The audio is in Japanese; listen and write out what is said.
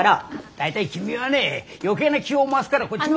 大体君はね余計な気を回すからこっちも。